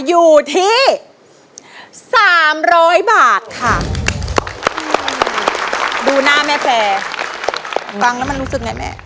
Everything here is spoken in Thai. อยู่ที่สามร้อยบาทค่ะดูหน้าแม่แพร่ฟังแล้วมันรู้สึกไงแม่